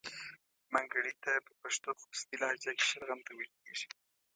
منګړیته په پښتو خوستی لهجه کې شلغم ته ویل کیږي.